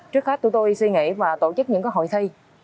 trước hết tụi tôi suy nghĩ và tổ chức những hội thi